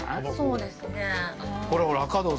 そうですね。